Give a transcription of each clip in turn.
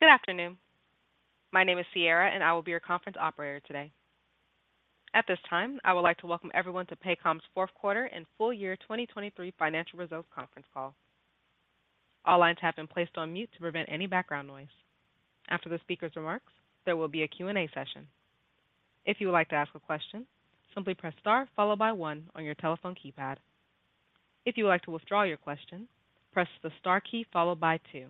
Good afternoon. My name is Sierra, and I will be your conference operator today. At this time, I would like to welcome everyone to Paycom's fourth quarter and full year 2023 financial results conference call. All lines have been placed on mute to prevent any background noise. After the speaker's remarks, there will be a Q&A session. If you would like to ask a question, simply press star followed by one on your telephone keypad. If you would like to withdraw your question, press the star key followed by two.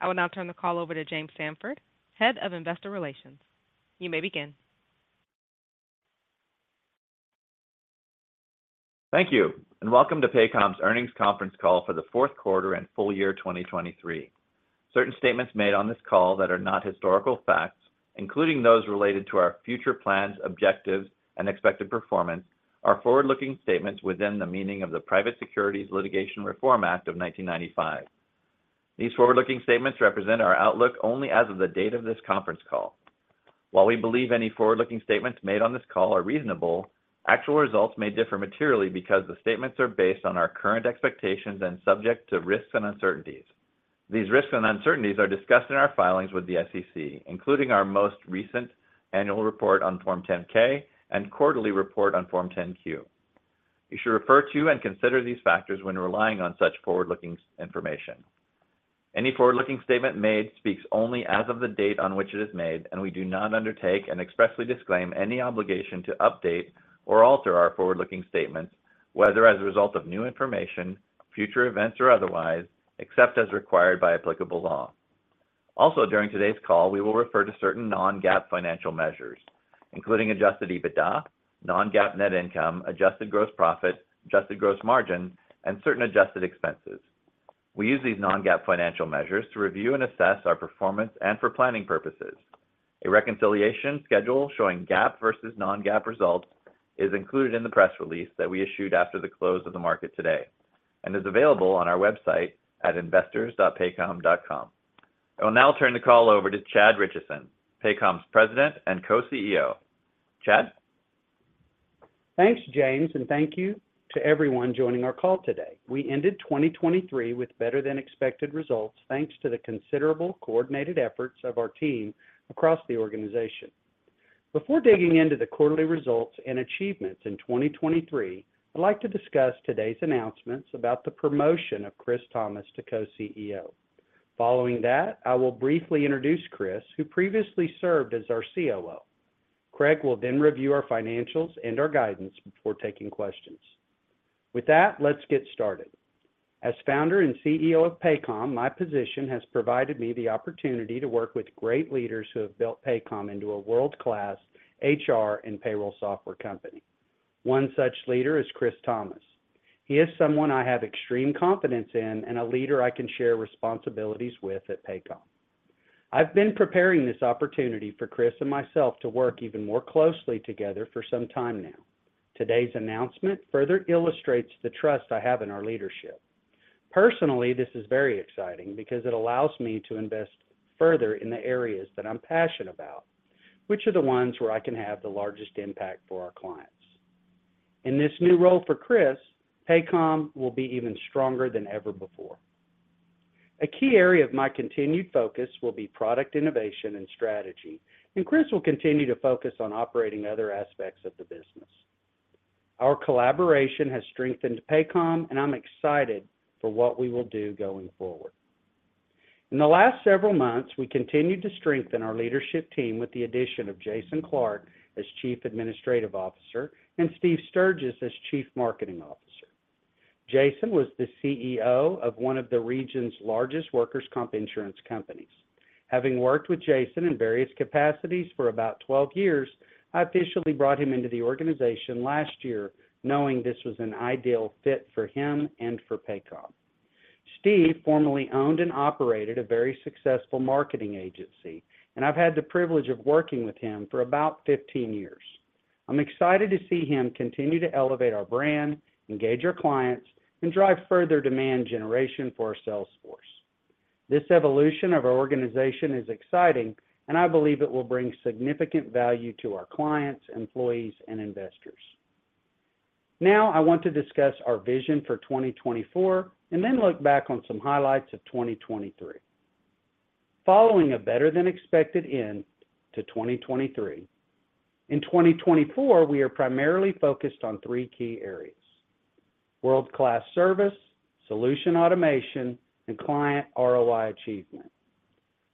I will now turn the call over to James Samford, Head of Investor Relations. You may begin. Thank you, and welcome to Paycom's Earnings Conference Call for the fourth quarter and full year 2023. Certain statements made on this call that are not historical facts, including those related to our future plans, objectives, and expected performance, are forward-looking statements within the meaning of the Private Securities Litigation Reform Act of 1995. These forward-looking statements represent our outlook only as of the date of this conference call. While we believe any forward-looking statements made on this call are reasonable, actual results may differ materially because the statements are based on our current expectations and subject to risks and uncertainties. These risks and uncertainties are discussed in our filings with the SEC, including our most recent annual report on Form 10-K and quarterly report on Form 10-Q. You should refer to and consider these factors when relying on such forward-looking information. Any forward-looking statement made speaks only as of the date on which it is made, and we do not undertake and expressly disclaim any obligation to update or alter our forward-looking statements, whether as a result of new information, future events, or otherwise, except as required by applicable law. Also, during today's call, we will refer to certain non-GAAP financial measures, including Adjusted EBITDA, Non-GAAP Net Income, Adjusted Gross Profit, Adjusted Gross Margin, and certain adjusted expenses. We use these non-GAAP financial measures to review and assess our performance and for planning purposes. A reconciliation schedule showing GAAP versus non-GAAP results is included in the press release that we issued after the close of the market today and is available on our website at investors.paycom.com. I will now turn the call over to Chad Richison, Paycom's President and Co-CEO. Chad? Thanks, James, and thank you to everyone joining our call today. We ended 2023 with better-than-expected results, thanks to the considerable coordinated efforts of our team across the organization. Before digging into the quarterly results and achievements in 2023, I'd like to discuss today's announcements about the promotion of Chris Thomas to Co-CEO. Following that, I will briefly introduce Chris, who previously served as our COO. Craig will then review our financials and our guidance before taking questions. With that, let's get started. As founder and CEO of Paycom, my position has provided me the opportunity to work with great leaders who have built Paycom into a world-class HR and payroll software company. One such leader is Chris Thomas. He is someone I have extreme confidence in and a leader I can share responsibilities with at Paycom. I've been preparing this opportunity for Chris and myself to work even more closely together for some time now. Today's announcement further illustrates the trust I have in our leadership. Personally, this is very exciting because it allows me to invest further in the areas that I'm passionate about, which are the ones where I can have the largest impact for our clients. In this new role for Chris, Paycom will be even stronger than ever before. A key area of my continued focus will be product innovation and strategy, and Chris will continue to focus on operating other aspects of the business. Our collaboration has strengthened Paycom, and I'm excited for what we will do going forward. In the last several months, we continued to strengthen our leadership team with the addition of Jason Clark as Chief Administrative Officer and Steve Sturges as Chief Marketing Officer. Jason was the CEO of one of the region's largest workers' comp insurance companies. Having worked with Jason in various capacities for about 12 years, I officially brought him into the organization last year, knowing this was an ideal fit for him and for Paycom. Steve formerly owned and operated a very successful marketing agency, and I've had the privilege of working with him for about 15 years. I'm excited to see him continue to elevate our brand, engage our clients, and drive further demand generation for our sales force. This evolution of our organization is exciting, and I believe it will bring significant value to our clients, employees, and investors. Now, I want to discuss our vision for 2024 and then look back on some highlights of 2023. Following a better-than-expected end to 2023. In 2024, we are primarily focused on three key areas: world-class service, solution automation, and client ROI achievement.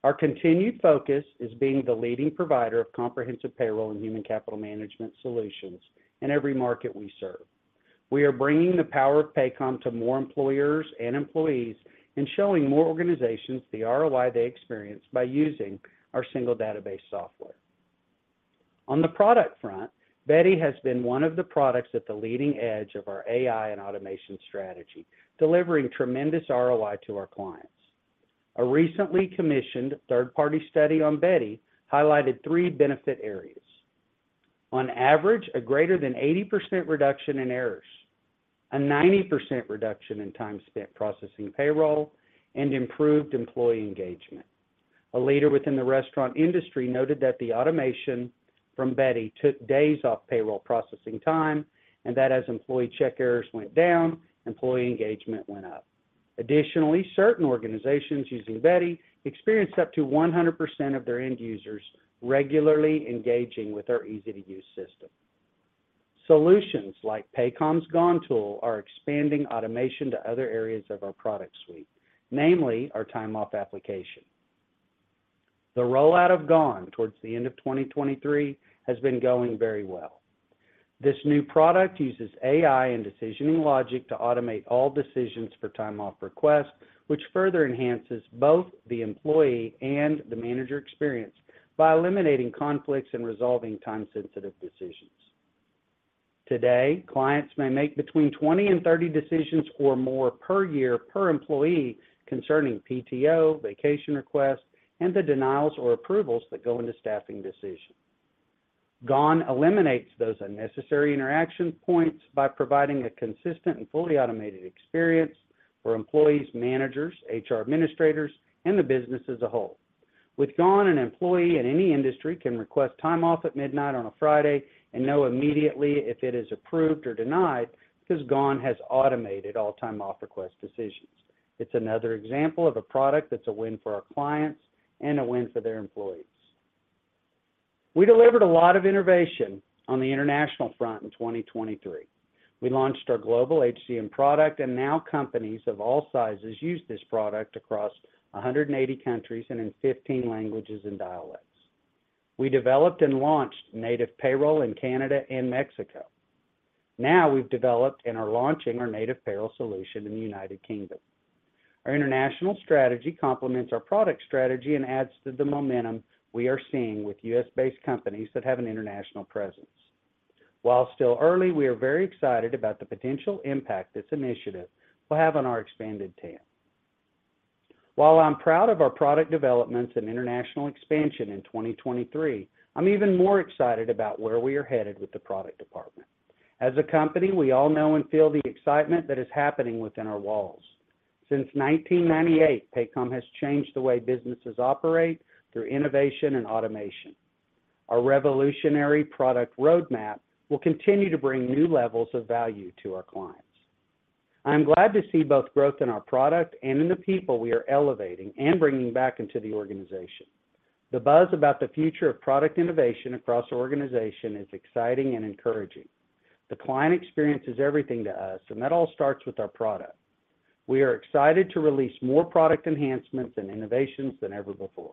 Our continued focus is being the leading provider of comprehensive payroll and human capital management solutions in every market we serve. We are bringing the power of Paycom to more employers and employees and showing more organizations the ROI they experience by using our single database software. On the product front, Beti has been one of the products at the leading edge of our AI and automation strategy, delivering tremendous ROI to our clients. A recently commissioned third-party study on Beti highlighted three benefit areas. On average, a greater than 80% reduction in errors, a 90% reduction in time spent processing payroll, and improved employee engagement. A leader within the restaurant industry noted that the automation from Beti took days off payroll processing time, and that as employee check errors went down, employee engagement went up. Additionally, certain organizations using Beti experienced up to 100% of their end users regularly engaging with our easy-to-use system. Solutions like Paycom's GONE tool are expanding automation to other areas of our product suite, namely our time off application. The rollout of GONE towards the end of 2023 has been going very well. This new product uses AI and decisioning logic to automate all decisions for time-off requests, which further enhances both the employee and the manager experience by eliminating conflicts and resolving time-sensitive decisions. Today, clients may make between 20 and 30 decisions or more per year per employee concerning PTO, vacation requests, and the denials or approvals that go into staffing decisions. GONE eliminates those unnecessary interaction points by providing a consistent and fully automated experience for employees, managers, HR administrators, and the business as a whole. With GONE, an employee in any industry can request time off at midnight on a Friday and know immediately if it is approved or denied, because GONE has automated all time-off request decisions. It's another example of a product that's a win for our clients and a win for their employees. We delivered a lot of innovation on the international front in 2023. We launched our global HCM product, and now companies of all sizes use this product across 180 countries and in 15 languages and dialects. We developed and launched native payroll in Canada and Mexico. Now, we've developed and are launching our native payroll solution in the United Kingdom. Our international strategy complements our product strategy and adds to the momentum we are seeing with U.S.-based companies that have an international presence. While still early, we are very excited about the potential impact this initiative will have on our expanded TAM. While I'm proud of our product developments and international expansion in 2023, I'm even more excited about where we are headed with the product department. As a company, we all know and feel the excitement that is happening within our walls. Since 1998, Paycom has changed the way businesses operate through innovation and automation. Our revolutionary product roadmap will continue to bring new levels of value to our clients. I'm glad to see both growth in our product and in the people we are elevating and bringing back into the organization. The buzz about the future of product innovation across our organization is exciting and encouraging. The client experience is everything to us, and that all starts with our product. We are excited to release more product enhancements and innovations than ever before.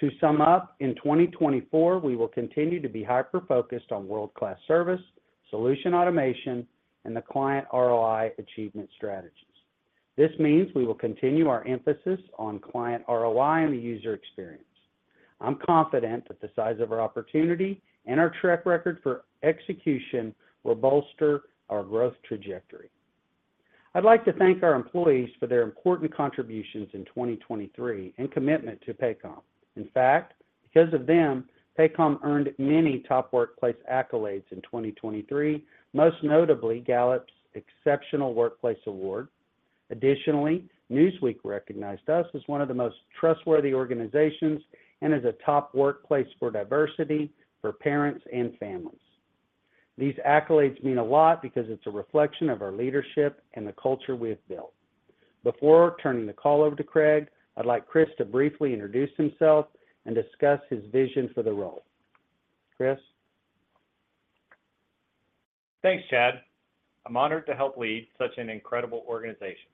To sum up, in 2024, we will continue to be hyper-focused on world-class service, solution automation, and the client ROI achievement strategies. This means we will continue our emphasis on client ROI and the user experience. I'm confident that the size of our opportunity and our track record for execution will bolster our growth trajectory. I'd like to thank our employees for their important contributions in 2023 and commitment to Paycom. In fact, because of them, Paycom earned many top workplace accolades in 2023, most notably Gallup's Exceptional Workplace Award. Additionally, Newsweek recognized us as one of the most trustworthy organizations and as a top workplace for diversity for parents and families. These accolades mean a lot because it's a reflection of our leadership and the culture we have built. Before turning the call over to Craig, I'd like Chris to briefly introduce himself and discuss his vision for the role. Chris? Thanks, Chad. I'm honored to help lead such an incredible organization.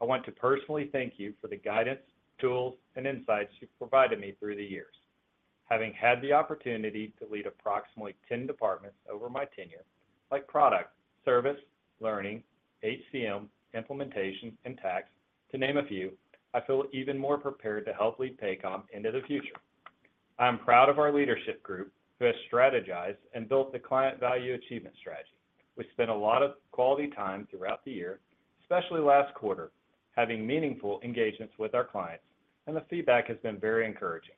I want to personally thank you for the guidance, tools, and insights you've provided me through the years. Having had the opportunity to lead approximately 10 departments over my tenure, like product, service, learning, HCM, implementation, and tax, to name a few, I feel even more prepared to help lead Paycom into the future. I'm proud of our leadership group, who has strategized and built the client value achievement strategy. We spent a lot of quality time throughout the year, especially last quarter, having meaningful engagements with our clients, and the feedback has been very encouraging.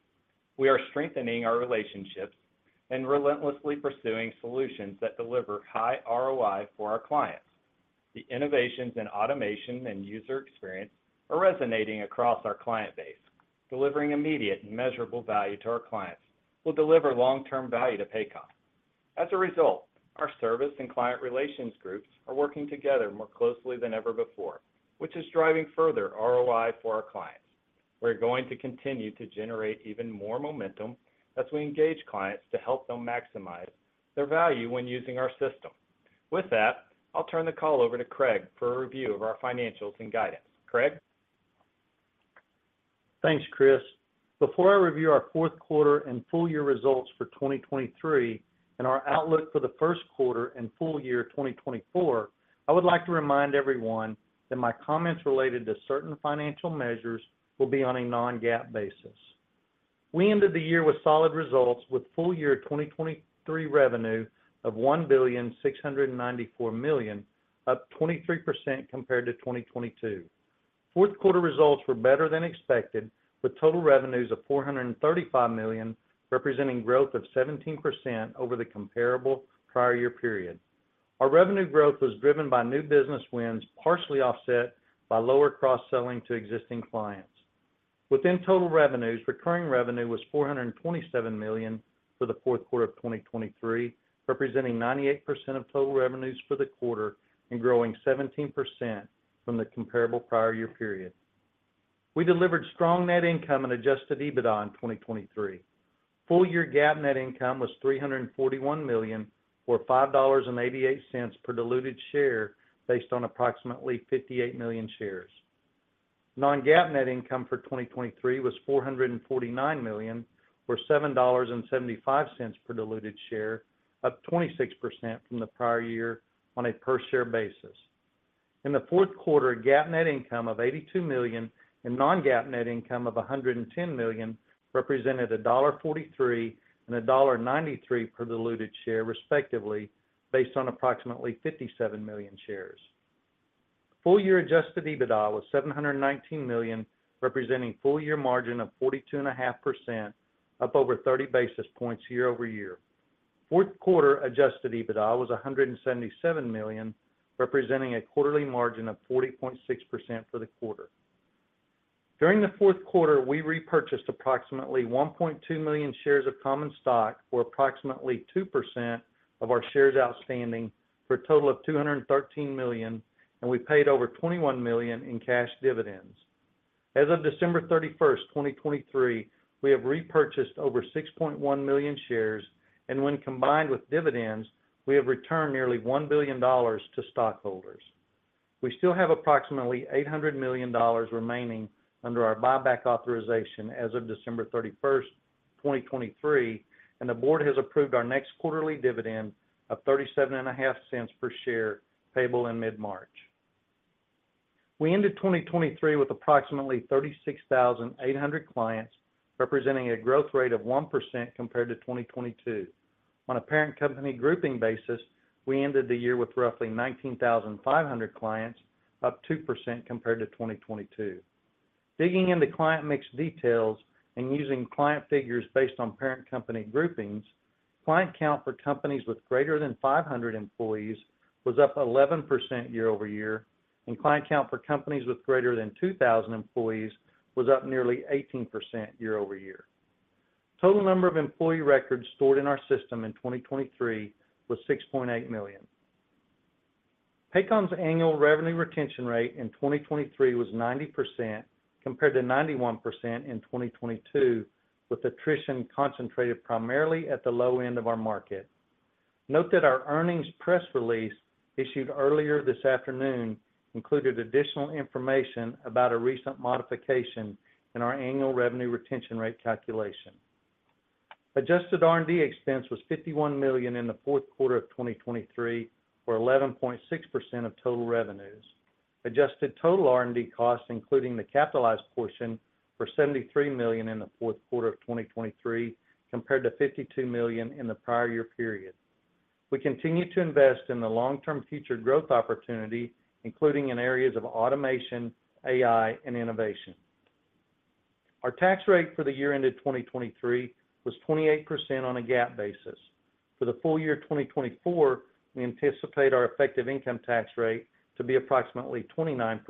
We are strengthening our relationships and relentlessly pursuing solutions that deliver high ROI for our clients. The innovations in automation and user experience are resonating across our client base. Delivering immediate and measurable value to our clients will deliver long-term value to Paycom. As a result, our service and client relations groups are working together more closely than ever before, which is driving further ROI for our clients. We're going to continue to generate even more momentum as we engage clients to help them maximize their value when using our system. With that, I'll turn the call over to Craig for a review of our financials and guidance. Craig? Thanks, Chris. Before I review our fourth quarter and full year results for 2023 and our outlook for the first quarter and full year 2024, I would like to remind everyone that my comments related to certain financial measures will be on a non-GAAP basis. We ended the year with solid results, with full year 2023 revenue of $1,694 million, up 23% compared to 2022. Fourth quarter results were better than expected, with total revenues of $435 million, representing growth of 17% over the comparable prior year period. Our revenue growth was driven by new business wins, partially offset by lower cross-selling to existing clients. Within total revenues, recurring revenue was $427 million for the fourth quarter of 2023, representing 98% of total revenues for the quarter and growing 17% from the comparable prior year period. We delivered strong net income and Adjusted EBITDA in 2023. Full year GAAP net income was $341 million, or $5.88 per diluted share, based on approximately 58 million shares. Non-GAAP net income for 2023 was $449 million, or $7.75 per diluted share, up 26% from the prior year on a per share basis. In the fourth quarter, GAAP net income of $82 million and non-GAAP net income of $110 million, represented $1.43 and $1.93 per diluted share, respectively, based on approximately 57 million shares. Full year Adjusted EBITDA was $719 million, representing full year margin of 42.5%, up over 30 basis points year-over-year. Fourth quarter Adjusted EBITDA was $177 million, representing a quarterly margin of 40.6% for the quarter. During the fourth quarter, we repurchased approximately 1.2 million shares of common stock, or approximately 2% of our shares outstanding, for a total of $213 million, and we paid over $21 million in cash dividends. As of December 31, 2023, we have repurchased over 6.1 million shares, and when combined with dividends, we have returned nearly $1 billion to stockholders. We still have approximately $800 million remaining under our buyback authorization as of December 31st, 2023, and the board has approved our next quarterly dividend of $0.375 per share, payable in mid-March. We ended 2023 with approximately 36,800 clients, representing a growth rate of 1% compared to 2022. On a parent company grouping basis, we ended the year with roughly 19,500 clients, up 2% compared to 2022. Digging into client mix details and using client figures based on parent company groupings, client count for companies with greater than 500 employees was up 11% year-over-year, and client count for companies with greater than 2,000 employees was up nearly 18% year-over-year. Total number of employee records stored in our system in 2023 was 6.8 million. Paycom's annual revenue retention rate in 2023 was 90%, compared to 91% in 2022, with attrition concentrated primarily at the low end of our market. Note that our earnings press release, issued earlier this afternoon, included additional information about a recent modification in our annual revenue retention rate calculation. Adjusted R&D expense was $51 million in the fourth quarter of 2023, or 11.6% of total revenues. Adjusted total R&D costs, including the capitalized portion, were $73 million in the fourth quarter of 2023, compared to $52 million in the prior year period. We continue to invest in the long-term future growth opportunity, including in areas of automation, AI, and innovation. Our tax rate for the year ended 2023 was 28% on a GAAP basis. For the full year 2024, we anticipate our effective income tax rate to be approximately 29%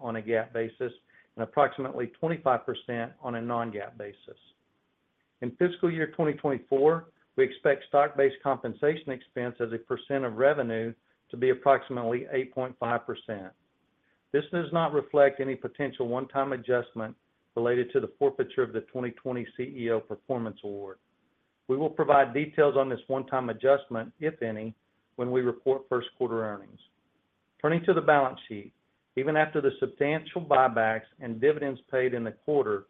on a GAAP basis and approximately 25% on a non-GAAP basis. In fiscal year 2024, we expect stock-based compensation expense as a percent of revenue to be approximately 8.5%. This does not reflect any potential one-time adjustment related to the forfeiture of the 2020 CEO Performance Award. We will provide details on this one-time adjustment, if any, when we report first quarter earnings. Turning to the balance sheet. Even after the substantial buybacks and dividends paid in the quarter,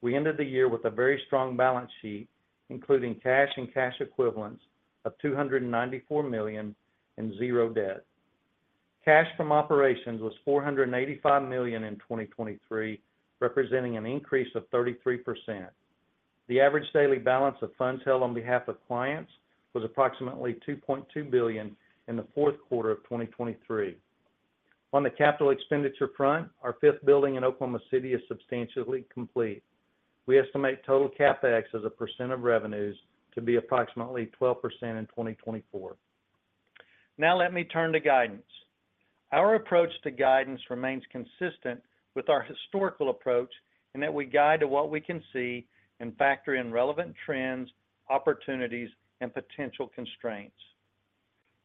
we ended the year with a very strong balance sheet, including cash and cash equivalents of $294 million and $0 debt. Cash from operations was $485 million in 2023, representing an increase of 33%. The average daily balance of funds held on behalf of clients was approximately $2.2 billion in the fourth quarter of 2023. On the capital expenditure front, our fifth building in Oklahoma City is substantially complete. We estimate total CapEx as a percent of revenues to be approximately 12% in 2024. Now let me turn to guidance. Our approach to guidance remains consistent with our historical approach, in that we guide to what we can see and factor in relevant trends, opportunities, and potential constraints.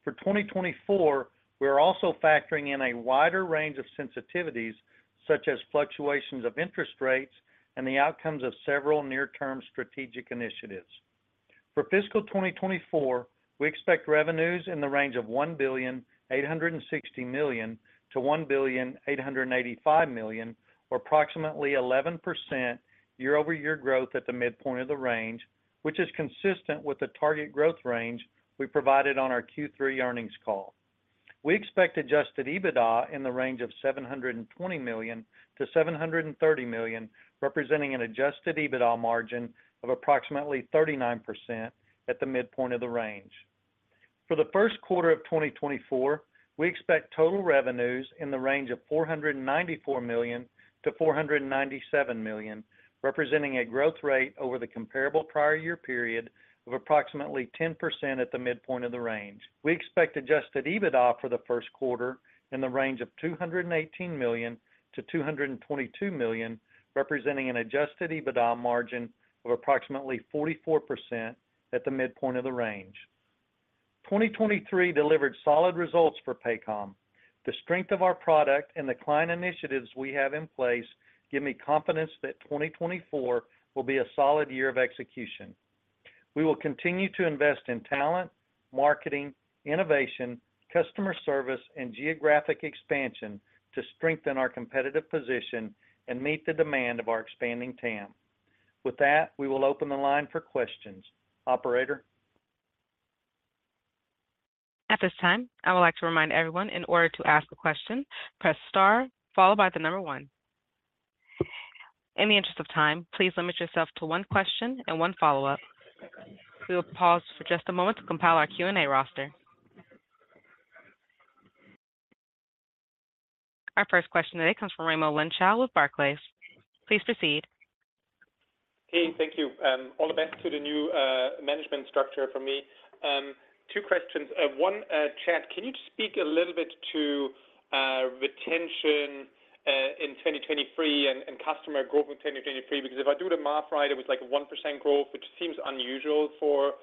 For 2024, we are also factoring in a wider range of sensitivities, such as fluctuations of interest rates and the outcomes of several near-term strategic initiatives. For fiscal 2024, we expect revenues in the range of $1,860 million-$1,885 million, or approximately 11% year-over-year growth at the midpoint of the range, which is consistent with the target growth range we provided on our Q3 earnings call. We expect Adjusted EBITDA in the range of $720 million-$730 million, representing an Adjusted EBITDA margin of approximately 39% at the midpoint of the range. For the first quarter of 2024, we expect total revenues in the range of $494 million-$497 million, representing a growth rate over the comparable prior year period of approximately 10% at the midpoint of the range. We expect Adjusted EBITDA for the first quarter in the range of $218 million-$222 million, representing an Adjusted EBITDA margin of approximately 44% at the midpoint of the range. 2023 delivered solid results for Paycom. The strength of our product and the client initiatives we have in place give me confidence that 2024 will be a solid year of execution. We will continue to invest in talent, marketing, innovation, customer service, and geographic expansion to strengthen our competitive position and meet the demand of our expanding TAM. With that, we will open the line for questions. Operator? At this time, I would like to remind everyone, in order to ask a question, press star followed by the number one. In the interest of time, please limit yourself to one question and one follow-up. We will pause for just a moment to compile our Q&A roster. Our first question today comes from Raimo Lenschow with Barclays. Please proceed. Hey, thank you. All the best to the new management structure from me. Two questions. One, Chad, can you just speak a little bit to retention in 2023 and customer growth in 2023? Because if I do the math right, it was like a 1% growth, which seems unusual for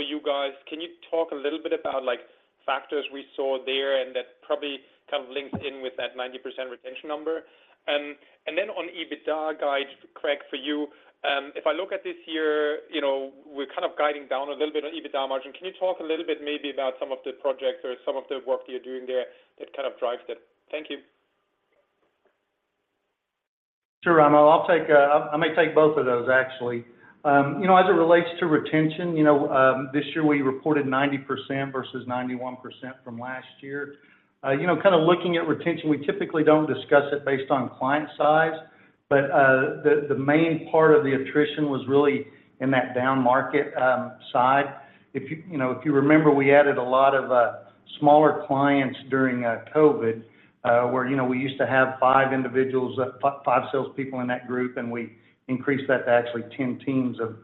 you guys. Can you talk a little bit about, like, factors we saw there, and that probably kind of links in with that 90% retention number? And then on EBITDA guide, Craig, for you, if I look at this year, you know, we're kind of guiding down a little bit on EBITDA margin. Can you talk a little bit maybe about some of the projects or some of the work you're doing there that kind of drives that? Thank you. Sure, Raimo. I'll take, I may take both of those, actually. You know, as it relates to retention, you know, this year we reported 90% versus 91% from last year. You know, kinda looking at retention, we typically don't discuss it based on client size, but, the main part of the attrition was really in that downmarket, side. If you, you know, if you remember, we added a lot of, smaller clients during, COVID, where, you know, we used to have five individuals, five salespeople in that group, and we increased that to actually 10 teams of,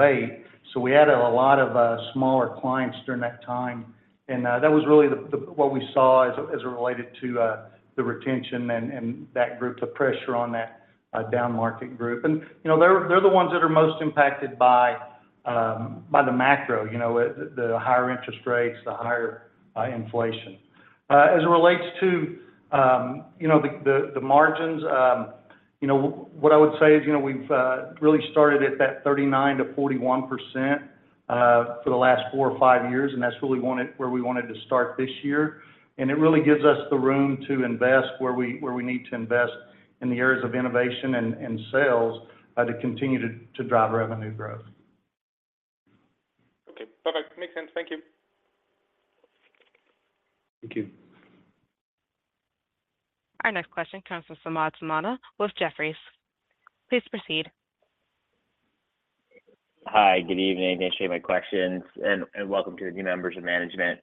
eight. So we added a lot of smaller clients during that time, and that was really the, the—what we saw as, as it related to the retention and, and that group, the pressure on that downmarket group. And, you know, they're the ones that are most impacted by by the macro, you know, the higher interest rates, the higher inflation. As it relates to you know, the margins, you know, what I would say is, you know, we've really started at that 39%-41% for the last four or five years, and that's really wanted—where we wanted to start this year. It really gives us the room to invest where we need to invest in the areas of innovation and sales to continue to drive revenue growth. Okay. Perfect. Makes sense. Thank you. Thank you. Our next question comes from Samad Samana with Jefferies. Please proceed. Hi, good evening. I appreciate my questions, and welcome to the new members of management.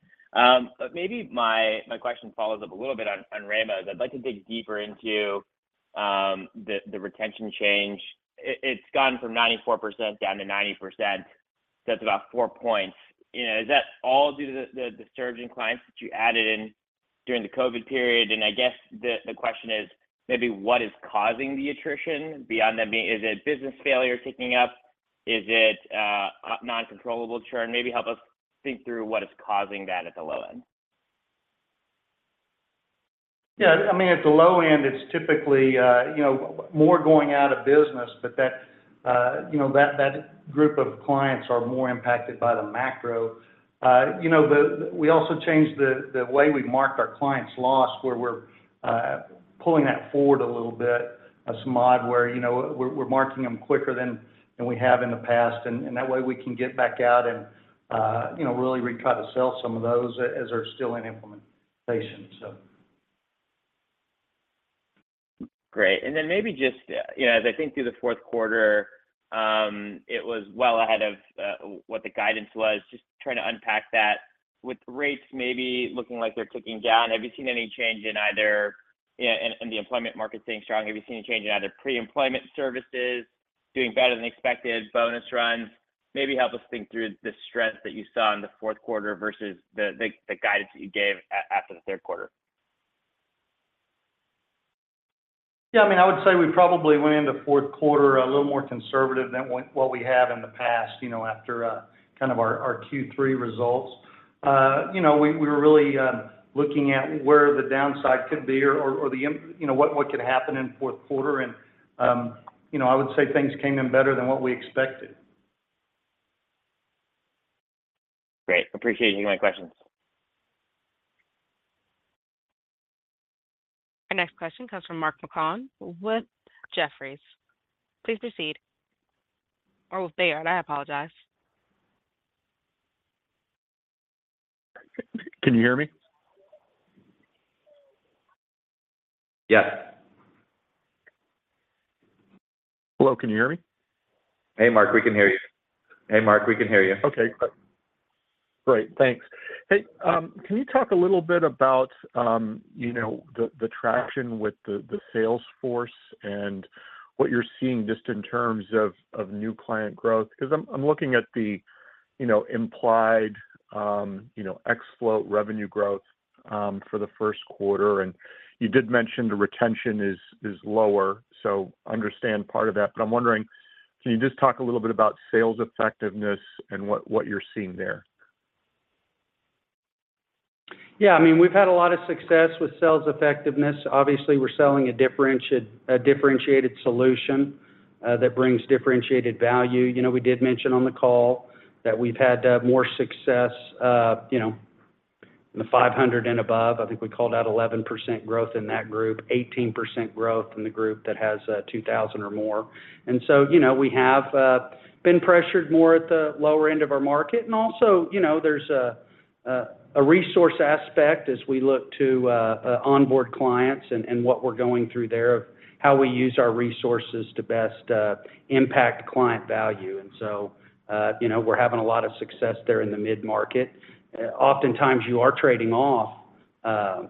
Maybe my question follows up a little bit on Raimo's. I'd like to dig deeper into the retention change. It's gone from 94% down to 90%. That's about four points. You know, is that all due to the surging clients that you added in during the COVID period? And I guess the question is, maybe what is causing the attrition? Beyond that, I mean, is it business failure ticking up? Is it non-controllable churn? Maybe help us think through what is causing that at the low end. Yeah, I mean, at the low end, it's typically, you know, more going out of business, but that, you know, that group of clients are more impacted by the macro. You know, we also changed the way we mark our clients' loss, where we're pulling that forward a little bit, as more where, you know, we're marking them quicker than we have in the past. And that way, we can get back out and, you know, really retry to sell some of those as they're still in implementation, so... Great. And then maybe just, you know, as I think through the fourth quarter, it was well ahead of what the guidance was. Just trying to unpack that. With rates maybe looking like they're ticking down, have you seen any change in either... Yeah, and the employment market staying strong, have you seen a change in either pre-employment services doing better than expected, bonus runs? Maybe help us think through the strength that you saw in the fourth quarter versus the guidance that you gave after the third quarter. Yeah, I mean, I would say we probably went into fourth quarter a little more conservative than what we have in the past, you know, after kind of our Q3 results. You know, we were really looking at where the downside could be or you know, what could happen in fourth quarter. You know, I would say things came in better than what we expected. Great. Appreciate you my questions. Our next question comes from Mark Marcon with Jefferies. Please proceed. Oh with Baird, I apologize. Can you hear me?... Yeah. Hello, can you hear me? Hey, Mark, we can hear you. Hey, Mark, we can hear you. Okay, great. Thanks. Hey, can you talk a little bit about, you know, the traction with the sales force and what you're seeing just in terms of new client growth? Because I'm looking at the, you know, implied, you know, ex float revenue growth for the first quarter, and you did mention the retention is lower, so understand part of that. But I'm wondering, can you just talk a little bit about sales effectiveness and what you're seeing there? Yeah, I mean, we've had a lot of success with sales effectiveness. Obviously, we're selling a differentiated, a differentiated solution that brings differentiated value. You know, we did mention on the call that we've had more success, you know, in the 500 and above. I think we called out 11% growth in that group, 18% growth in the group that has 2,000 or more. And so, you know, we have been pressured more at the lower end of our market. And also, you know, there's a resource aspect as we look to onboard clients and what we're going through there, of how we use our resources to best impact client value. And so, you know, we're having a lot of success there in the mid-market. Oftentimes, you are trading off on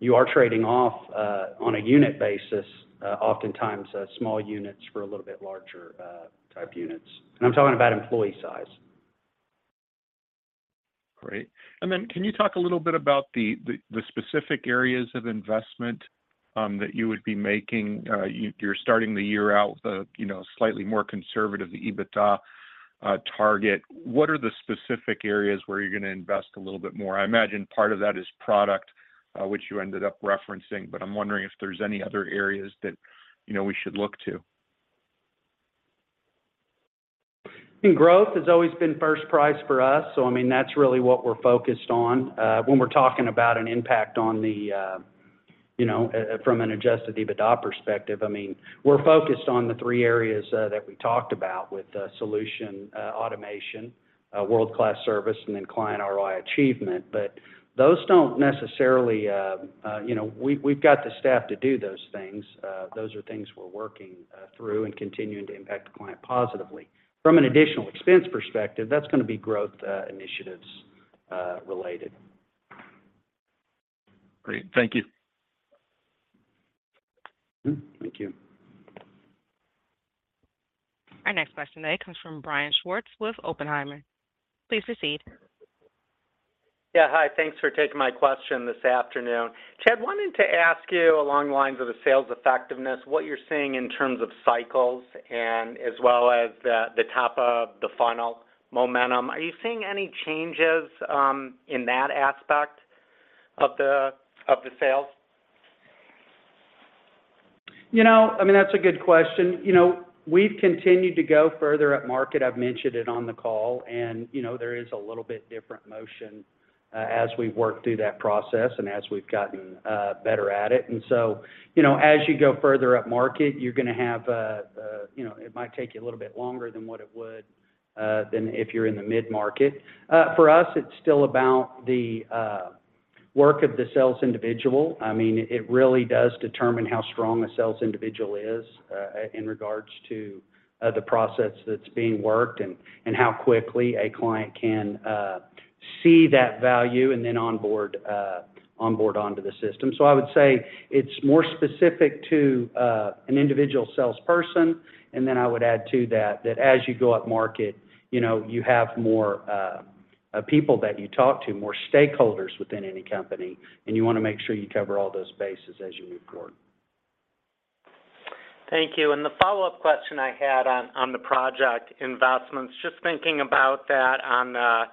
a unit basis, oftentimes small units for a little bit larger type units. And I'm talking about employee size. Great. And then, can you talk a little bit about the specific areas of investment that you would be making? You're starting the year out with a you know slightly more conservative EBITDA target. What are the specific areas where you're going to invest a little bit more? I imagine part of that is product which you ended up referencing, but I'm wondering if there's any other areas that you know we should look to. I think growth has always been first prize for us, so I mean, that's really what we're focused on. When we're talking about an impact on the, you know, from an Adjusted EBITDA perspective, I mean, we're focused on the three areas that we talked about with solution, automation, world-class service, and then client ROI achievement. But those don't necessarily, you know... We've got the staff to do those things. Those are things we're working through and continuing to impact the client positively. From an additional expense perspective, that's going to be growth initiatives, related. Great. Thank you. Mm-hmm. Thank you. Our next question today comes from Brian Schwartz with Oppenheimer. Please proceed. Yeah, hi. Thanks for taking my question this afternoon. Chad, wanting to ask you along the lines of the sales effectiveness, what you're seeing in terms of cycles and as well as the, the top of the funnel momentum. Are you seeing any changes in that aspect of the, of the sales? You know, I mean, that's a good question. You know, we've continued to go further up market. I've mentioned it on the call, and, you know, there is a little bit different motion as we work through that process and as we've gotten better at it. And so, you know, as you go further up market, you're going to have you know, it might take you a little bit longer than what it would than if you're in the mid-market. For us, it's still about the work of the sales individual. I mean, it really does determine how strong a sales individual is in regards to the process that's being worked and how quickly a client can see that value and then onboard onto the system. So I would say it's more specific to an individual salesperson, and then I would add to that, that as you go up market, you know, you have more people that you talk to, more stakeholders within any company, and you want to make sure you cover all those bases as you move forward. Thank you. The follow-up question I had on the project investments, just thinking about that on the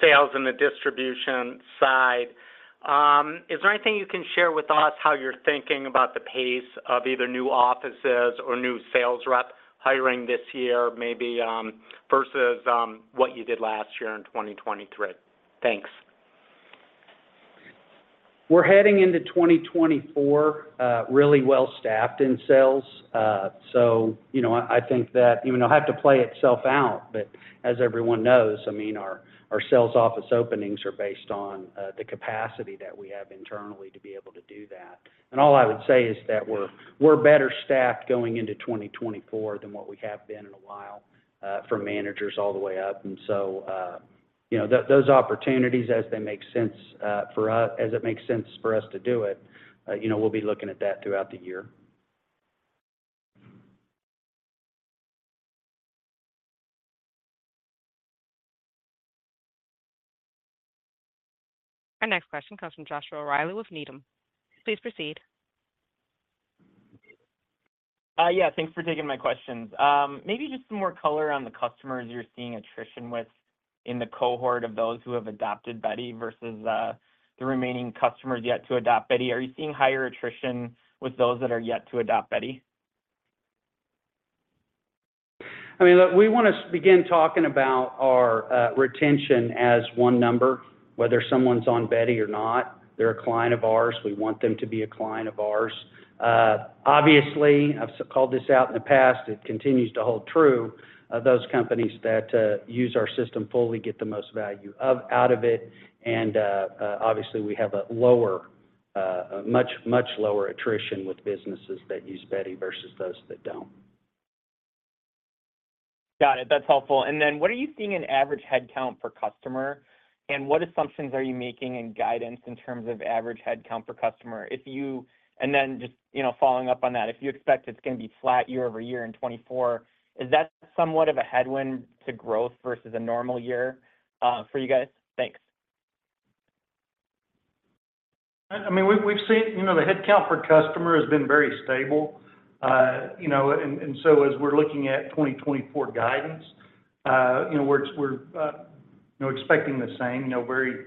sales and the distribution side, is there anything you can share with us how you're thinking about the pace of either new offices or new sales rep hiring this year, maybe, versus what you did last year in 2023? Thanks. We're heading into 2024, really well-staffed in sales. So you know, I, I think that even though it'll have to play itself out, but as everyone knows, I mean, our, our sales office openings are based on, the capacity that we have internally to be able to do that. And all I would say is that we're, we're better staffed going into 2024 than what we have been in a while, from managers all the way up. And so, you know, those opportunities as they make sense, for us, as it makes sense for us to do it, you know, we'll be looking at that throughout the year. Our next question comes from Joshua Reilly with Needham. Please proceed. Yeah, thanks for taking my questions. Maybe just some more color on the customers you're seeing attrition with in the cohort of those who have adopted Beti versus the remaining customers yet to adopt Beti. Are you seeing higher attrition with those that are yet to adopt Beti? I mean, look, we want to begin talking about our retention as one number. Whether someone's on Beti or not, they're a client of ours. We want them to be a client of ours. Obviously, I've called this out in the past, it continues to hold true. Those companies that use our system fully get the most value out of it, and obviously, we have a lower, a much, much lower attrition with businesses that use Beti versus those that don't. Got it. That's helpful. And then, what are you seeing in average headcount per customer? And what assumptions are you making in guidance in terms of average headcount per customer? And then just, you know, following up on that, if you expect it's going to be flat year-over-year in 2024, is that somewhat of a headwind to growth versus a normal year, for you guys? Thanks. I mean, we've seen, you know, the headcount per customer has been very stable. You know, and so as we're looking at 2024 guidance, you know, we're expecting the same, you know, very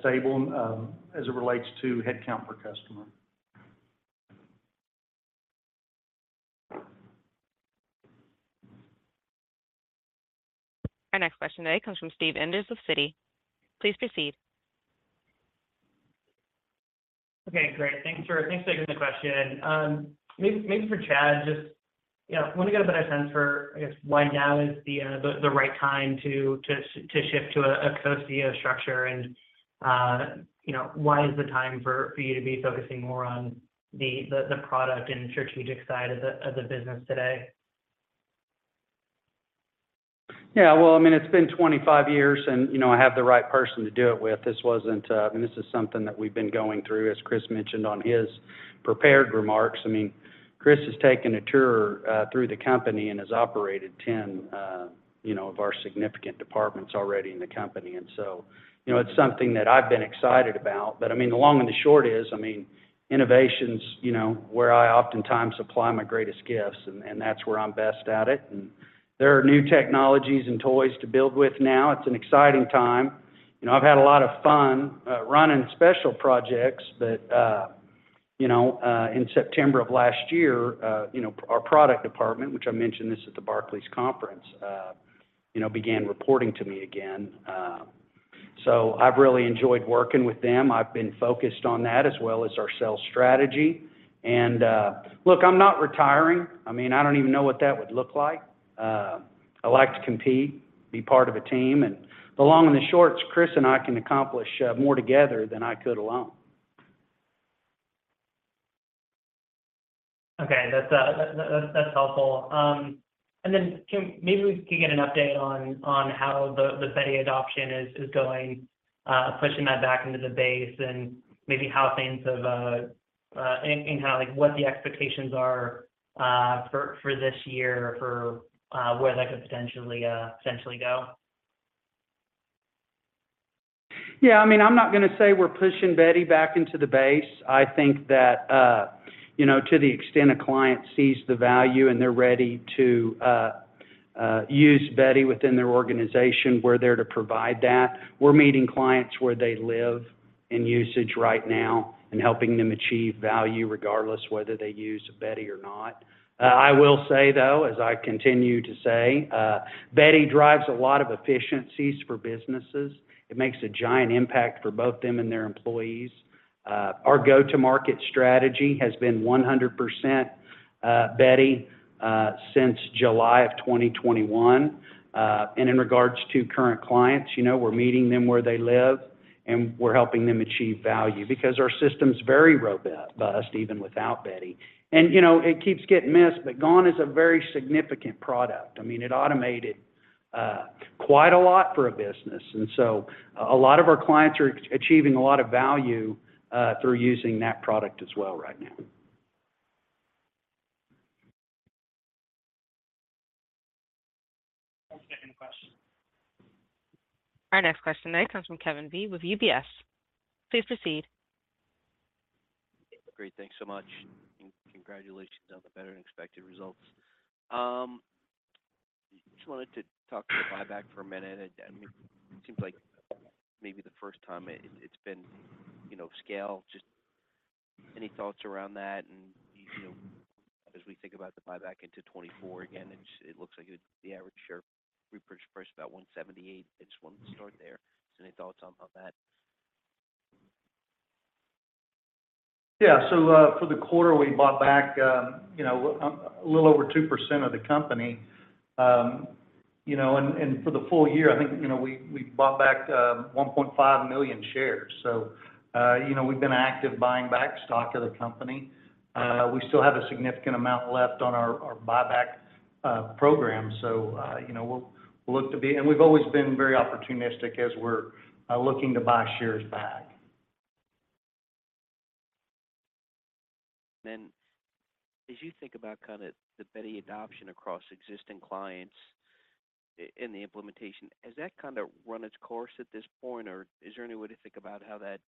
stable as it relates to headcount per customer. Our next question today comes from Steve Enders of Citi. Please proceed. Okay, great. Thanks for taking the question. Maybe for Chad, just, yeah, I want to get a better sense for, I guess, why now is the right time to shift to a co-CEO structure and, you know, why is the time for you to be focusing more on the product and strategic side of the business today? Yeah, well, I mean, it's been 25 years, and, you know, I have the right person to do it with. This wasn't. I mean, this is something that we've been going through, as Chris mentioned on his prepared remarks. I mean, Chris has taken a tour through the company and has operated 10, you know, of our significant departments already in the company. And so, you know, it's something that I've been excited about. But I mean, the long and the short is, I mean, innovation's, you know, where I oftentimes apply my greatest gifts, and that's where I'm best at it. And there are new technologies and toys to build with now. It's an exciting time. You know, I've had a lot of fun running special projects, but you know, in September of last year, you know, our product department, which I mentioned this at the Barclays conference, you know, began reporting to me again. So I've really enjoyed working with them. I've been focused on that as well as our sales strategy. And look, I'm not retiring. I mean, I don't even know what that would look like. I like to compete, be part of a team, and the long and the shorts, Chris and I can accomplish more together than I could alone. Okay, that's helpful. And then, Jim, maybe we can get an update on how the Beti adoption is going, pushing that back into the base and maybe how things have and how, like, what the expectations are, for this year, for where that could potentially go. Yeah, I mean, I'm not going to say we're pushing Beti back into the base. I think that, you know, to the extent a client sees the value and they're ready to use Beti within their organization, we're there to provide that. We're meeting clients where they live in usage right now and helping them achieve value, regardless whether they use Beti or not. I will say, though, as I continue to say, Beti drives a lot of efficiencies for businesses. It makes a giant impact for both them and their employees. Our go-to-market strategy has been 100% Beti since July 2021. And in regards to current clients, you know, we're meeting them where they live, and we're helping them achieve value because our system's very robust, even without Beti. And, you know, it keeps getting missed, but GONE is a very significant product. I mean, it automated quite a lot for a business, and so a lot of our clients are achieving a lot of value through using that product as well right now. One second question. Our next question tonight comes from Kevin McVeigh with UBS. Please proceed. Great, thanks so much, and congratulations on the better-than-expected results. Just wanted to talk to the buyback for a minute. I mean, it seems like maybe the first time it's been, you know, scale. Just any thoughts around that? And, you know, as we think about the buyback into 2024 again, it looks like the average share repurchase price is about $178. I just want to start there. So any thoughts on that? Yeah. So, for the quarter, we bought back, you know, a little over 2% of the company. You know, and for the full year, I think, you know, we bought back 1.5 million shares. So, you know, we've been active buying back stock of the company. We still have a significant amount left on our buyback program. So, you know, we'll look to be... And we've always been very opportunistic as we're looking to buy shares back. Then as you think about kind of the Beti adoption across existing clients in the implementation, has that kinda run its course at this point, or is there any way to think about how that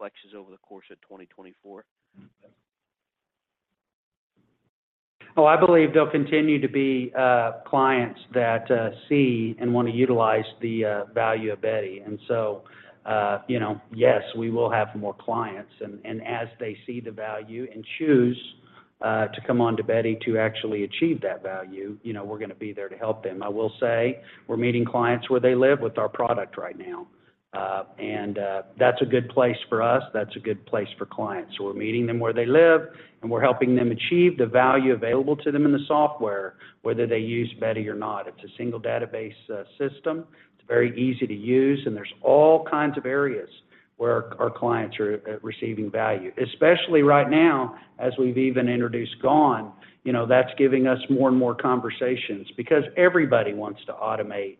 flexes over the course of 2024? Oh, I believe there'll continue to be clients that see and want to utilize the value of Beti. And so, you know, yes, we will have more clients, and as they see the value and choose to come on to Beti to actually achieve that value, you know, we're going to be there to help them. I will say, we're meeting clients where they live with our product right now. And that's a good place for us. That's a good place for clients. We're meeting them where they live, and we're helping them achieve the value available to them in the software, whether they use Beti or not. It's a single database system. It's very easy to use, and there's all kinds of areas where our clients are receiving value. Especially right now, as we've even introduced GONE, you know, that's giving us more and more conversations because everybody wants to automate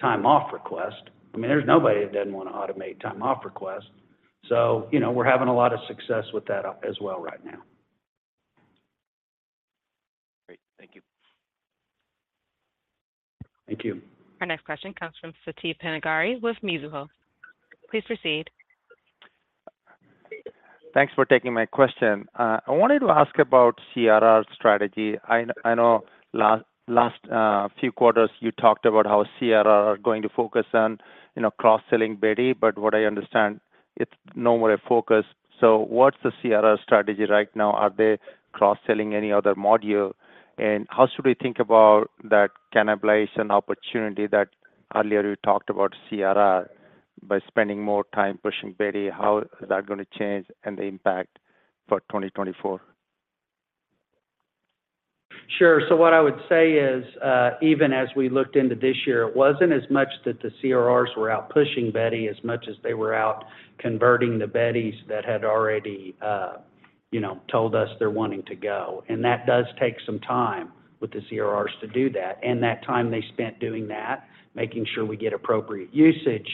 time off request. I mean, there's nobody that doesn't want to automate time off request. So, you know, we're having a lot of success with that up as well right now. Great. Thank you. Thank you. Our next question comes from Siti Panigrahi with Mizuho. Please proceed. Thanks for taking my question. I wanted to ask about CRR's strategy. I know last few quarters you talked about how CRR are going to focus on, you know, cross-selling Beti, but what I understand, it's no more a focus. So what's the CRR strategy right now? Are they cross-selling any other module? And how should we think about that cannibalization opportunity that earlier you talked about CRR by spending more time pushing Beti? How is that gonna change and the impact for 2024? Sure. So what I would say is, even as we looked into this year, it wasn't as much that the CRRs were out pushing Beti as much as they were out converting the Betis that had already, you know, told us they're wanting to go. And that does take some time with the CRRs to do that. And that time they spent doing that, making sure we get appropriate usage,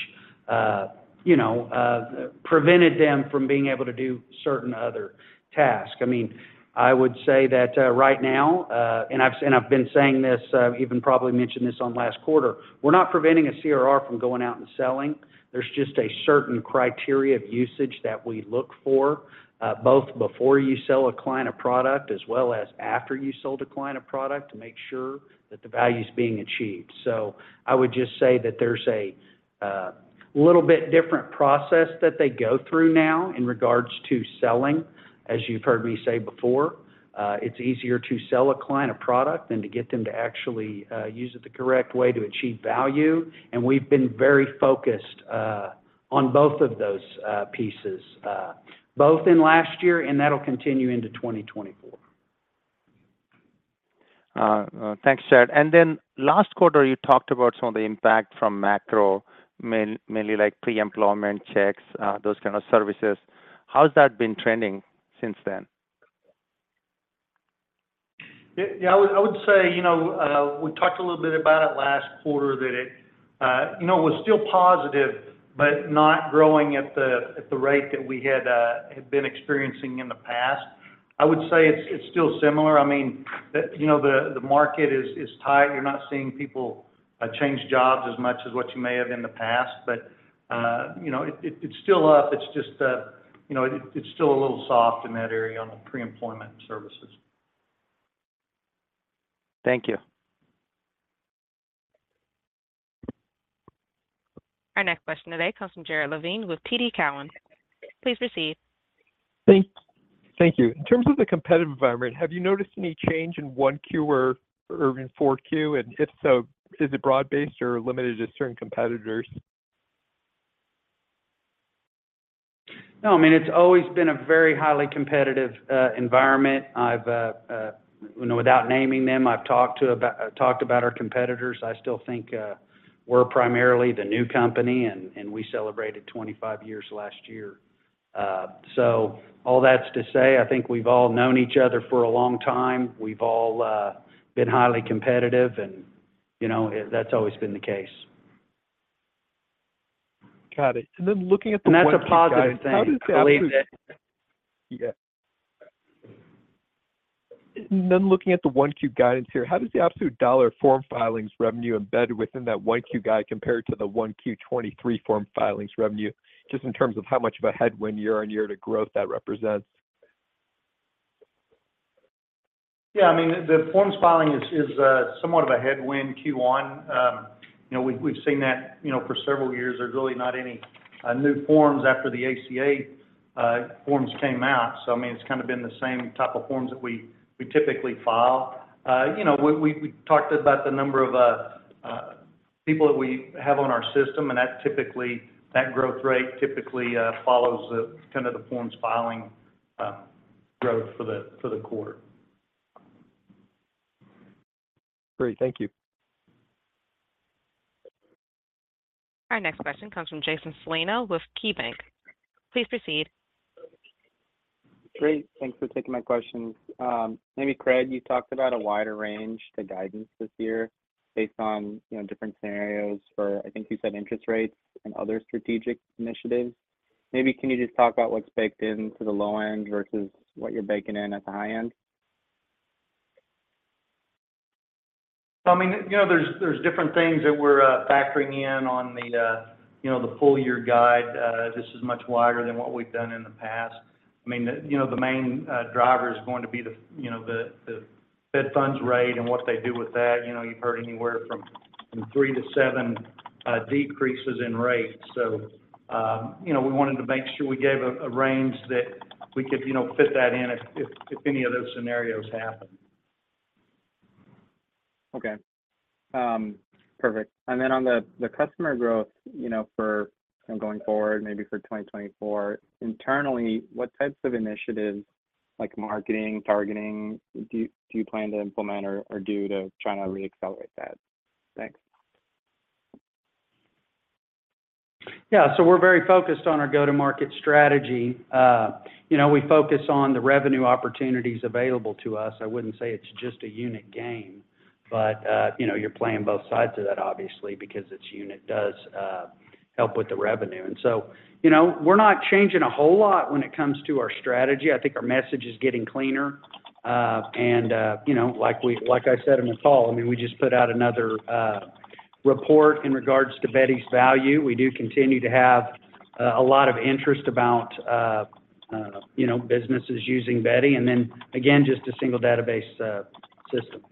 you know, prevented them from being able to do certain other tasks. I mean, I would say that, right now, and I've, and I've been saying this, even probably mentioned this on last quarter, we're not preventing a CRR from going out and selling. There's just a certain criteria of usage that we look for, both before you sell a client a product, as well as after you sold a client a product, to make sure that the value is being achieved. So I would just say that there's a little bit different process that they go through now in regards to selling. As you've heard me say before, it's easier to sell a client a product than to get them to actually use it the correct way to achieve value. And we've been very focused on both of those pieces, both in last year, and that'll continue into 2024. Thanks, Chad. And then last quarter, you talked about some of the impact from macro, mainly like pre-employment checks, those kind of services. How's that been trending since then? Yeah, yeah, I would, I would say, you know, we talked a little bit about it last quarter, that it, you know, was still positive, but not growing at the, at the rate that we had, had been experiencing in the past. I would say it's, it's still similar. I mean, the, you know, the, the market is, is tight. You're not seeing people, change jobs as much as what you may have in the past, but, you know, it, it, it's still up. It's just, you know, it, it's still a little soft in that area on the pre-employment services. Thank you. Our next question today comes from Jared Levine with TD Cowen. Please proceed. Thank you. In terms of the competitive environment, have you noticed any change in 1Q or in 4Q? And if so, is it broad-based or limited to certain competitors? No, I mean, it's always been a very highly competitive environment. I've talked about our competitors. I still think we're primarily the new company, and we celebrated 25 years last year. So all that's to say, I think we've all known each other for a long time. We've all been highly competitive, and, you know, that's always been the case. Got it. And then looking at the- That's a positive thing. I believe that- Yeah. And then looking at the 1Q guidance here, how does the absolute dollar form filings revenue embed within that 1Q guide compared to the 1Q 2023 form filings revenue, just in terms of how much of a headwind year-over-year to growth that represents? Yeah, I mean, the forms filing is somewhat of a headwind Q1. You know, we've seen that, you know, for several years. There's really not any new forms after the ACA forms came out. So I mean, it's kind of been the same type of forms that we typically file. You know, we talked about the number of people that we have on our system, and that typically, that growth rate typically follows the kind of the forms filing growth for the quarter. Great. Thank you. Our next question comes from Jason Celino with KeyBanc. Please proceed. Great. Thanks for taking my questions. Maybe, Craig, you talked about a wider range to guidance this year based on, you know, different scenarios for, I think you said, interest rates and other strategic initiatives. Maybe can you just talk about what's baked into the low end versus what you're baking in at the high end? I mean, you know, there's different things that we're factoring in on the, you know, the full year guide. This is much wider than what we've done in the past. I mean, the, you know, the main driver is going to be the, you know, the, the Fed funds rate and what they do with that. You know, you've heard anywhere from 3-7 decreases in rates. So, you know, we wanted to make sure we gave a range that we could, you know, fit that in if any of those scenarios happen. Okay. Perfect. And then on the customer growth, you know, for going forward, maybe for 2024, internally, what types of initiatives like marketing, targeting, do you plan to implement or do to try to reaccelerate that?... Thanks. Yeah, so we're very focused on our go-to-market strategy. You know, we focus on the revenue opportunities available to us. I wouldn't say it's just a unit game, but you know, you're playing both sides of that, obviously, because its unit does help with the revenue. And so, you know, we're not changing a whole lot when it comes to our strategy. I think our message is getting cleaner. And you know, like I said in the call, I mean, we just put out another report in regards to Beti's value. We do continue to have a lot of interest about you know, businesses using Beti, and then again, just a single database system.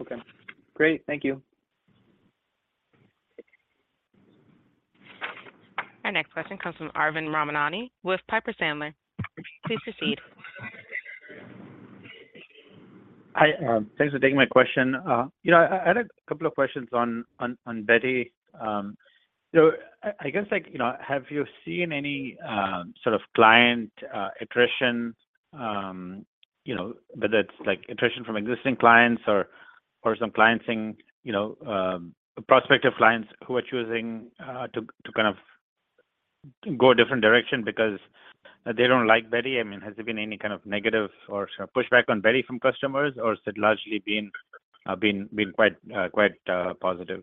Okay, great. Thank you. Our next question comes from Arvind Ramnani with Piper Sandler. Please proceed. Hi, thanks for taking my question. You know, I had a couple of questions on Beti. You know, I guess, like, you know, have you seen any sort of client attrition, you know, whether it's, like, attrition from existing clients or some clients saying, you know, prospective clients who are choosing to kind of go a different direction because they don't like Beti? I mean, has there been any kind of negative or pushback on Beti from customers, or has it largely been quite positive?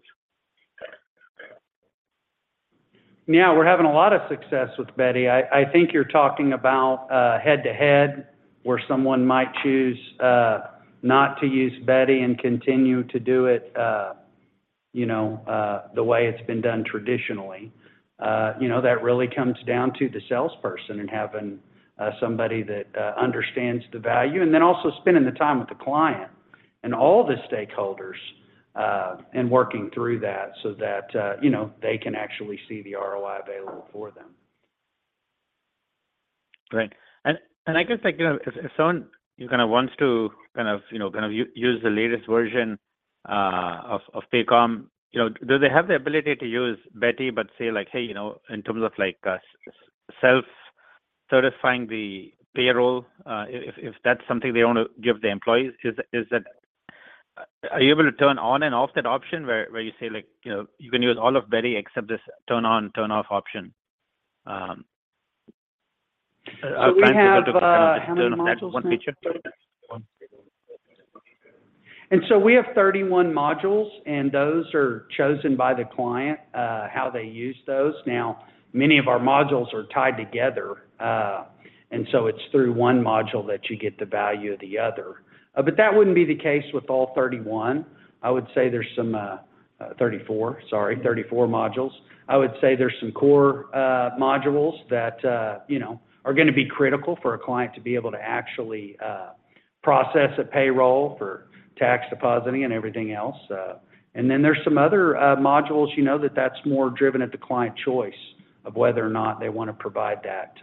Yeah, we're having a lot of success with Beti. I think you're talking about head-to-head, where someone might choose not to use Beti and continue to do it, you know, the way it's been done traditionally. You know, that really comes down to the salesperson and having somebody that understands the value, and then also spending the time with the client and all the stakeholders, and working through that so that, you know, they can actually see the ROI available for them. Great. I guess, like, you know, if someone kind of wants to kind of, you know, kind of use the latest version of Paycom, you know, do they have the ability to use Beti, but say, like, hey, you know, in terms of like self-certifying the payroll, if that's something they want to give the employees, is that— Are you able to turn on and off that option where you say, like, you know, you can use all of Beti except this turn on, turn off option? Trying to think of turn on that one feature. And so we have 31 modules, and those are chosen by the client how they use those. Now, many of our modules are tied together, and so it's through one module that you get the value of the other. But that wouldn't be the case with all 31. I would say there's some 34, sorry, 34 modules. I would say there's some core modules that, you know, are gonna be critical for a client to be able to actually process a payroll for tax depositing and everything else. And then there's some other modules, you know, that that's more driven at the client choice of whether or not they want to provide that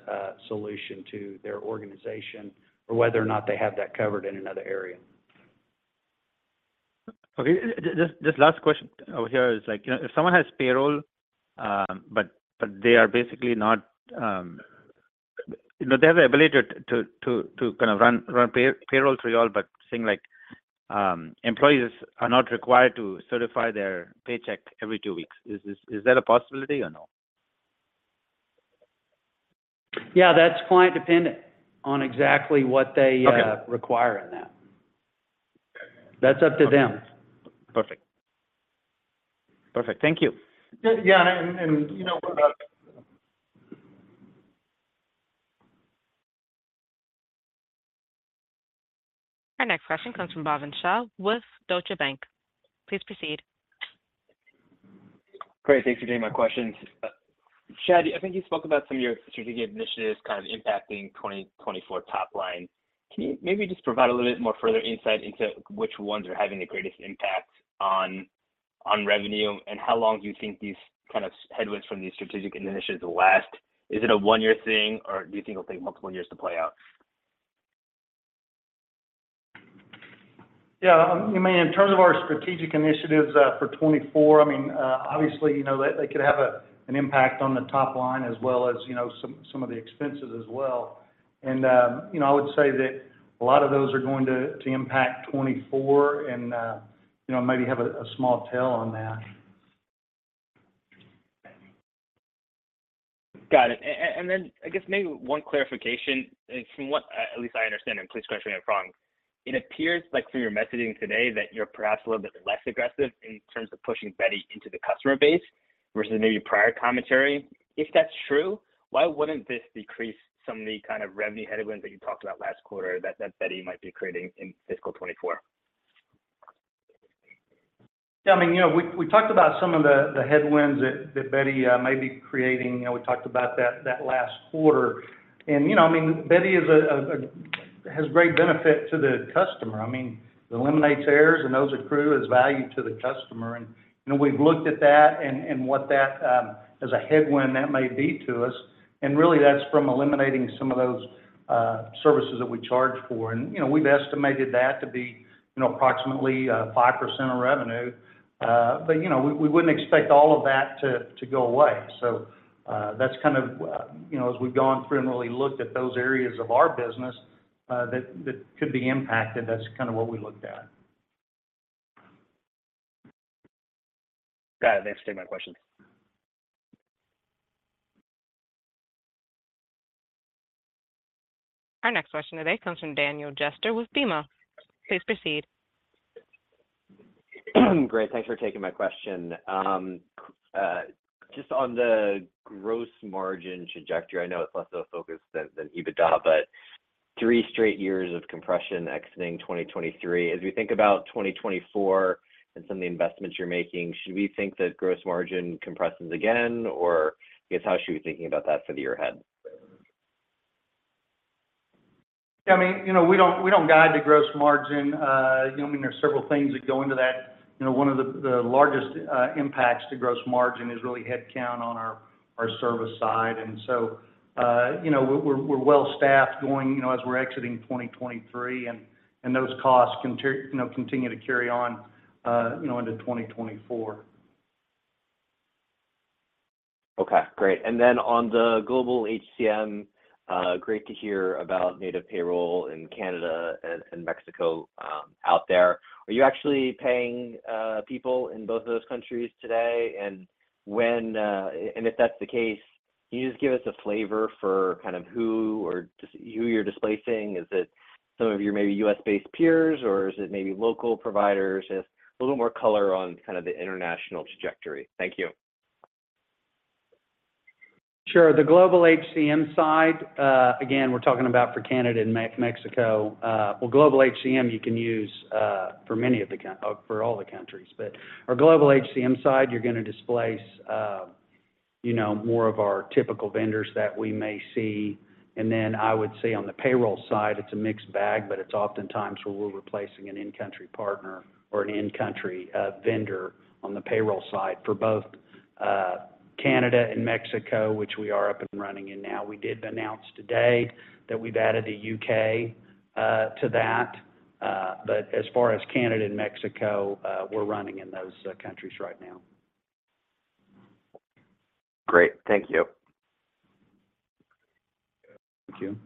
solution to their organization, or whether or not they have that covered in another area. Okay. Just last question over here is, like, you know, if someone has payroll, but they are basically not... You know, they have the ability to kind of run payroll through you all, but saying, like, employees are not required to certify their paycheck every two weeks. Is this, is that a possibility or no? Yeah, that's client dependent on exactly what they, Okay... require in that. That's up to them. Perfect. Perfect. Thank you. Yeah, and you know, Our next question comes from Bhavin Shah with Deutsche Bank. Please proceed. Great. Thanks for taking my questions. Chad, I think you spoke about some of your strategic initiatives kind of impacting 2024 top line. Can you maybe just provide a little bit more further insight into which ones are having the greatest impact on, on revenue, and how long do you think these kind of headwinds from these strategic initiatives will last? Is it a one-year thing, or do you think it'll take multiple years to play out? Yeah, I mean, in terms of our strategic initiatives, for 2024, I mean, obviously, you know, they could have an impact on the top line as well as, you know, some of the expenses as well. And, you know, I would say that a lot of those are going to impact 2024 and, you know, maybe have a small tail on that. Got it. And then I guess maybe one clarification, from what at least I understand, and please correct me if I'm wrong. It appears like from your messaging today that you're perhaps a little bit less aggressive in terms of pushing Beti into the customer base versus maybe prior commentary. If that's true, why wouldn't this decrease some of the kind of revenue headwinds that you talked about last quarter, that Beti might be creating in fiscal 2024? Yeah, I mean, you know, we talked about some of the headwinds that Beti may be creating. You know, we talked about that last quarter. And, you know, I mean, Beti has great benefit to the customer. I mean, it eliminates errors and those accrue as value to the customer. And, you know, we've looked at that and what that as a headwind that may be to us, and really, that's from eliminating some of those services that we charge for. And, you know, we've estimated that to be, you know, approximately 5% of revenue. But, you know, we wouldn't expect all of that to go away. That's kind of, you know, as we've gone through and really looked at those areas of our business that could be impacted, that's kind of what we looked at.... Got it. Thanks for taking my question. Our next question today comes from Daniel Jester with BMO. Please proceed. Great. Thanks for taking my question. Just on the gross margin trajectory, I know it's less of a focus than, than EBITDA, but three straight years of compression exiting 2023. As we think about 2024 and some of the investments you're making, should we think that gross margin compresses again, or I guess, how should we be thinking about that for the year ahead? I mean, you know, we don't, we don't guide the gross margin. You know what I mean? There are several things that go into that. You know, one of the, the largest impacts to gross margin is really headcount on our, our service side. And so, you know, we're, we're well staffed going, you know, as we're exiting 2023, and, and those costs continue to carry on, you know, into 2024. Okay, great. And then on the Global HCM, great to hear about native payroll in Canada and Mexico out there. Are you actually paying people in both of those countries today? And if that's the case, can you just give us a flavor for kind of who or just who you're displacing? Is it some of your maybe US-based peers, or is it maybe local providers? Just a little more color on kind of the international trajectory. Thank you. Sure. The Global HCM side, again, we're talking about for Canada and Mexico. Well, Global HCM, you can use for many of the countries. But our Global HCM side, you're gonna displace, you know, more of our typical vendors that we may see. And then I would say on the payroll side, it's a mixed bag, but it's oftentimes where we're replacing an in-country partner or an in-country vendor on the payroll side for both Canada and Mexico, which we are up and running in now. We did announce today that we've added the UK to that. But as far as Canada and Mexico, we're running in those countries right now. Great. Thank you. Thank you.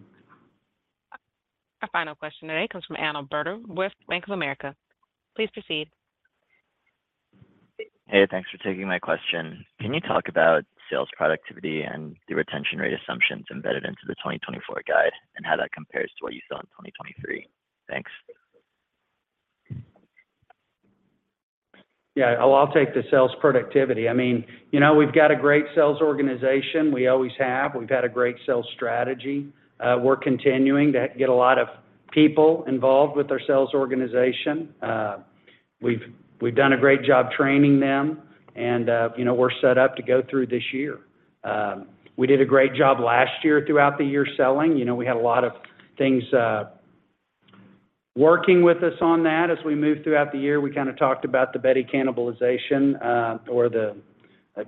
Our final question today comes from Adam Bergere with Bank of America. Please proceed. Hey, thanks for taking my question. Can you talk about sales productivity and the retention rate assumptions embedded into the 2024 guide and how that compares to what you saw in 2023? Thanks. Yeah. I'll take the sales productivity. I mean, you know, we've got a great sales organization. We always have. We've had a great sales strategy. We're continuing to get a lot of people involved with our sales organization. We've done a great job training them, and, you know, we're set up to go through this year. We did a great job last year throughout the year selling. You know, we had a lot of things working with us on that. As we moved throughout the year, we kinda talked about the Beti cannibalization, or the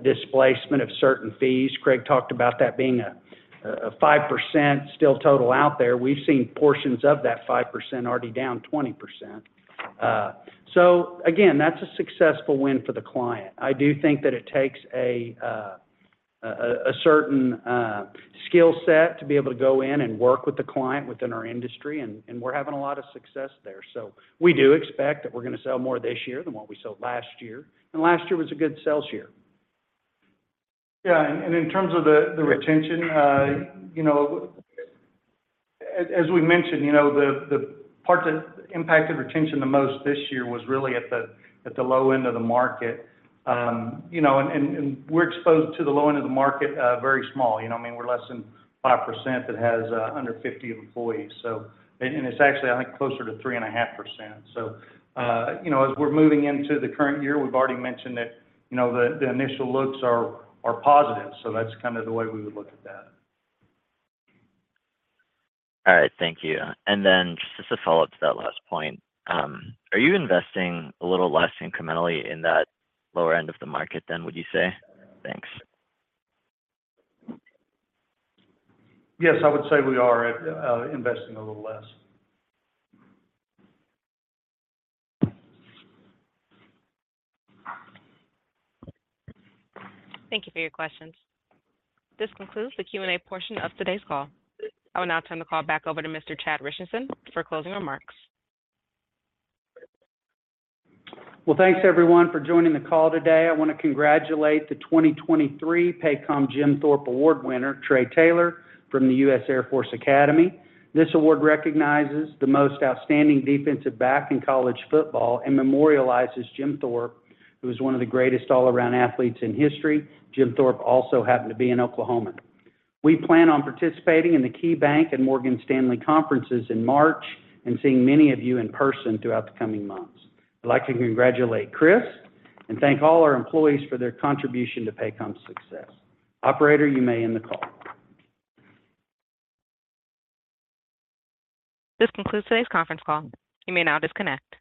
displacement of certain fees. Craig talked about that being a 5% still total out there. We've seen portions of that 5% already down 20%. So again, that's a successful win for the client. I do think that it takes a certain skill set to be able to go in and work with the client within our industry, and we're having a lot of success there. So we do expect that we're gonna sell more this year than what we sold last year, and last year was a good sales year. Yeah, and in terms of the retention, you know, as we mentioned, you know, the parts that impacted retention the most this year was really at the low end of the market. You know, and we're exposed to the low end of the market very small. You know what I mean? We're less than 5% that has under 50 employees. So and it's actually, I think, closer to 3.5%. You know, as we're moving into the current year, we've already mentioned that, you know, the initial looks are positive. So that's kind of the way we would look at that. All right. Thank you. And then just as a follow-up to that last point, are you investing a little less incrementally in that lower end of the market than would you say? Thanks. Yes, I would say we are investing a little less. Thank you for your questions. This concludes the Q&A portion of today's call. I will now turn the call back over to Mr. Chad Richison for closing remarks. Well, thanks everyone for joining the call today. I want to congratulate the 2023 Paycom Jim Thorpe Award winner, Trey Taylor, from the U.S. Air Force Academy. This award recognizes the most outstanding defensive back in college football and memorializes Jim Thorpe, who is one of the greatest all-around athletes in history. Jim Thorpe also happened to be an Oklahoman. We plan on participating in the KeyBanc and Morgan Stanley conferences in March and seeing many of you in person throughout the coming months. I'd like to congratulate Chris and thank all our employees for their contribution to Paycom's success. Operator, you may end the call. This concludes today's conference call. You may now disconnect.